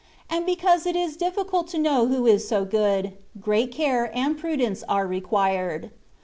And because it is difficult to know who is so good, great care and prudence are required.